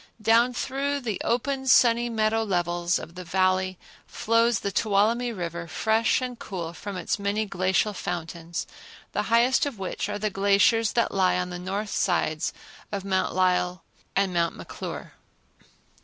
Down through the open sunny meadow levels of the Valley flows the Tuolumne River, fresh and cool from its many glacial fountains, the highest of which are the glaciers that lie on the north sides of Mount Lyell and Mount McClure.